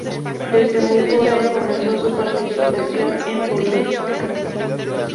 Desde muy joven comenzó su participación en política.